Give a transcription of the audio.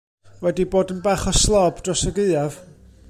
Wedi bod yn bach o slob dros y gaeaf.